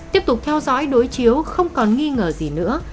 tiếp tục theo dõi đối chiếu không còn nghi ngờ gì nữa